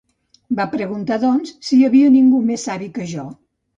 Va preguntar, doncs, si hi havia ningú més savi que jo.